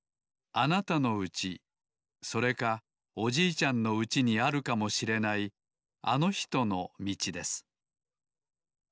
あなたのうちそれかおじいちゃんのうちにあるかもしれないあのひとのみちです